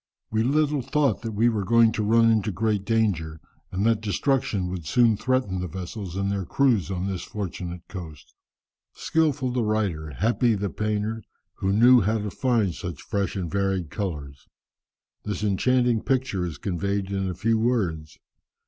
We little thought that we were going to run into great danger, and that destruction would soon threaten the vessels and their crews on this fortunate coast." Skilful the writer, happy the painter, who knew how to find such fresh and varied colours! This enchanting picture is conveyed in a few words.